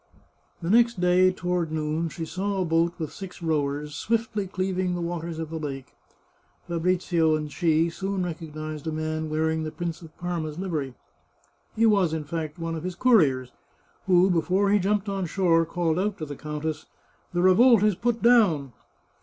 The next day, toward noon, she saw a boat with six rowers swiftly cleaving the waters of the lake. Fabrizio and she soon recognised a man wearing the Prince of Parma's livery. He was, in fact, one of his couriers, who, before he jumped on shore, called out to the duchess :" The revolt is put down."